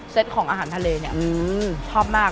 ของอาหารทะเลเนี่ยชอบมาก